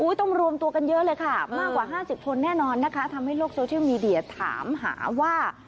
ต้องรวมตัวกันเยอะเลยค่ะมากกว่า๕๐คนแน่นอนนะคะทำให้โลกโซเชียลมีเดียถามหาว่า